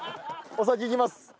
お先いきます。